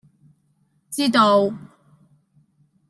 知道